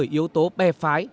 bởi yếu tố bè phái